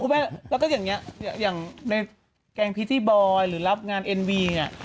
แล้วก็อย่างนี้อย่างในแกงพีที่บอยหรือรับงานเอ็นวีเนี่ย